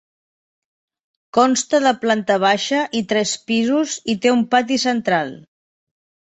Consta de planta baixa i tres pisos i té un pati central.